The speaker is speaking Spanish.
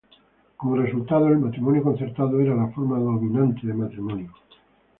Como resultado el matrimonio concertado era la forma dominante de matrimonio.